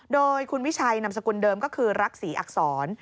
โดยคุณวิชัยนามสกุลเดิมก็คือรักษีอักษร